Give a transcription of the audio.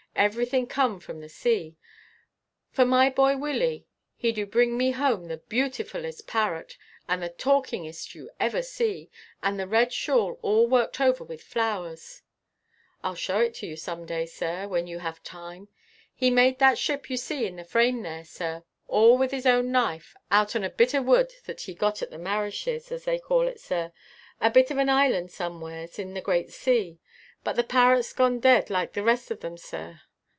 Everything come from the sea. For my boy Willie he du bring me home the beautifullest parrot and the talkingest you ever see, and the red shawl all worked over with flowers: I'll show it to you some day, sir, when you have time. He made that ship you see in the frame there, sir, all with his own knife, out on a bit o' wood that he got at the Marishes, as they calls it, sir a bit of an island somewheres in the great sea. But the parrot's gone dead like the rest of them, sir.